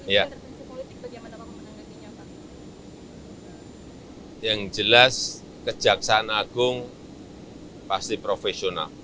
ya yang jelas kejaksaan agung pasti profesional